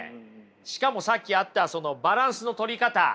しかもさっきあったそのバランスの取り方